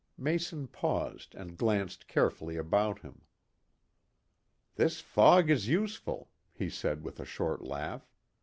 Mason paused and glanced carefully about him. "This fog is useful," he said, with a short laugh.